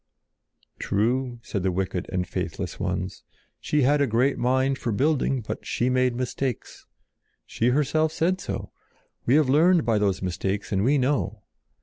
"True," said the wicked and faithless ones, "she had a great mind for building; but she made mistakes. She herself said so. We have learned by those mistakes and we know.